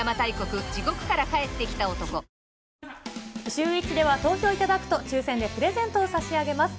シューＷｈｉｃｈでは、投票いただくと抽せんでプレゼントを差し上げます。